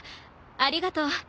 ありがとう。